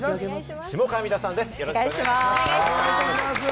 よろしくお願いします。